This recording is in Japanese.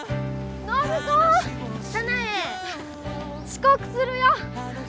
遅刻するよ！